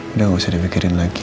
udah gak usah dipikirin lagi